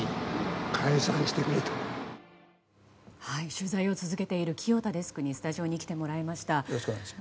取材を続けている清田デスクにスタジオに来てもらいました。